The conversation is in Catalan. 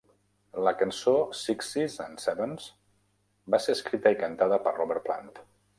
La cançó "Sixes and Sevens" va ser escrita i cantada per Robert Plant.